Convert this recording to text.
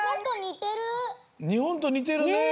日本とにてるね。